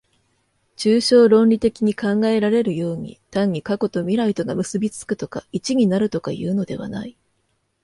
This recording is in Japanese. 抽象論理的に考えられるように、単に過去と未来とが結び附くとか一になるとかいうのではない。